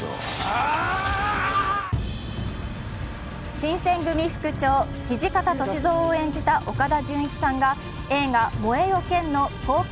新選組副長・土方歳三を演じた岡田准一さんが映画「燃えよ剣」の公開